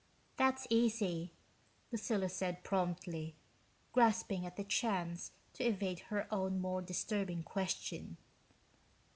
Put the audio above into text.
"That's easy," Lucilla said promptly, grasping at the chance to evade her own more disturbing question.